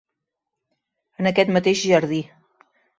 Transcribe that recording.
En aquest mateix jardí.